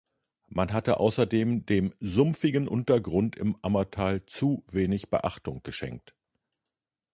Man hatte außerdem dem sumpfigen Untergrund im Ammertal zu wenig Beachtung geschenkt.